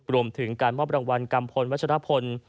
รวมถึงการมอบประวัติการกัมพลวัชฌพล